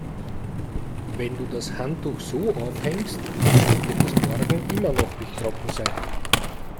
Wenn du das Handtuch so aufhängst, wird es morgen immer noch nicht trocken sein.